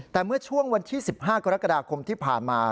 แต่เมื่อช่วงวันที่๑๕กรกฎาคมที่ผ่านมา